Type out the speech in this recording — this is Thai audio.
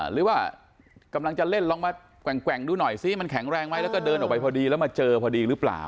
หรือว่ากำลังจะเล่นลองมาแกว่งดูหน่อยซิมันแข็งแรงไหมแล้วก็เดินออกไปพอดีแล้วมาเจอพอดีหรือเปล่า